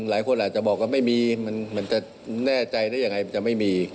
หลายคนอาจจะบอกว่าไม่มีมันจะแน่ใจได้ยังไงมันจะไม่มี